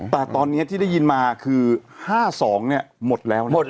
แต่ตอนนี้ที่ได้ยินมาคือ๕๒เนี่ยหมดแล้ว